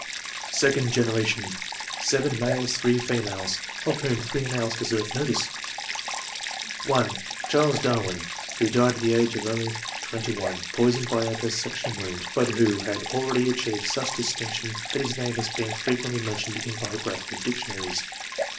Second generation, — 7 males, 3 females, of whom 3 males deserve notice :— ^1) Charles Dar win, who died at tlie age of only 21, poisoned by a dissection wound, but wlio had already achieved such distinction that his name has been fre quently mentioned in biographical dictionaries.